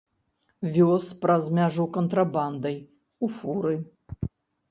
Вёз праз мяжу кантрабандай у фуры.